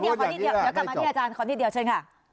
เดี๋ยวกลับมาที่อาจารย์ขอนิดเดียวเชิญค่ะ